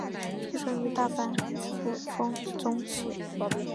出身于大阪府丰中市。